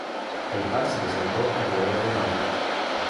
El par se presentó alrededor de Los Ángeles.